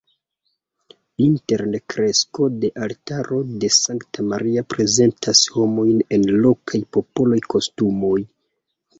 Interne fresko de altaro de Sankta Maria prezentas homojn en lokaj popolaj kostumoj.